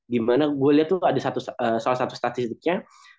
di mana gue lihat tuh ada salah satu statistiknya